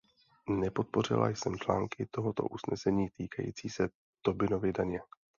Nepodpořila jsem články tohoto usnesení týkající se Tobinovy daně.